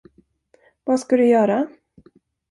Vad ska du göra?